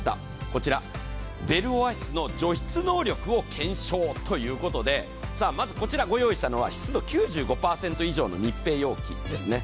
こちら、ベルオアシスの除湿能力を検証ということで、まずこちら、ご用意したのは湿度９５％以上の密閉容器です。